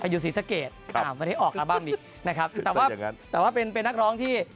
อยู่สีสเกดไม่ได้ออกอัลบั้มอีกแต่ว่าเป็นนักร้องที่